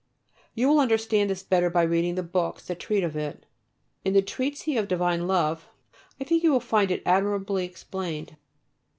You will understand this better by reading the books that treat of it. In the "Treatise of Divine Love" I think you will find it admirably explained.